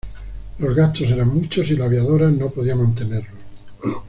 Los gastos eran muchos, y la aviadora no podía mantenerlos.